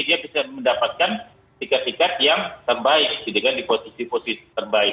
dia bisa mendapatkan tiket tiket yang terbaik dengan di posisi posisi terbaik